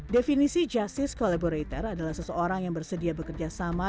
definisi justice collaborator adalah seseorang yang bersedia bekerjasama